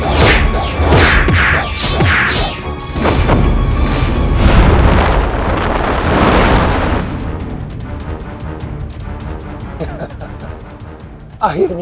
dia putraku abikara